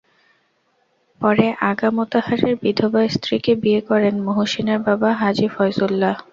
পরে আগা মোতাহারের বিধবা স্ত্রীকে বিয়ে করেন মুহসীনের বাবা হাজি ফয়জুল্লাহ।